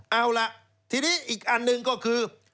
เอาล่ะทีนี้อีกอันหนึ่งก็คือ